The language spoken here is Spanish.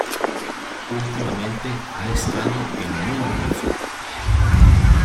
Últimamente ha estado en muy buena forma.